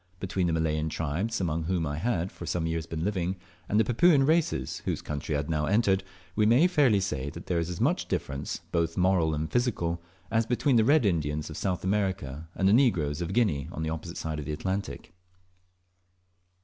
Between the Malayan tribes, among whom I had for some years been living, and the Papuan races, whose country I had now entered, we may fairly say that there is as much difference, both moral and physical, as between the red Indians of South America and the negroes of Guinea on the opposite side of the Atlantic.